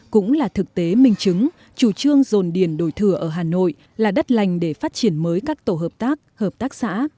cũng là thực tế minh chứng chủ trương dồn điền đổi thừa ở hà nội là đất lành để phát triển mới các tổ hợp tác hợp tác xã